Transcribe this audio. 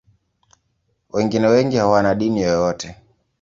Wengine wengi hawana dini yoyote.